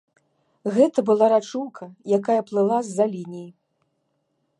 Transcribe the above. Гэта была рачулка, якая плыла з-за лініі.